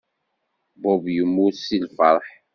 Bob yemmut seg lfeṛḥ.